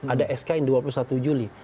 ada sk yang dua puluh satu juli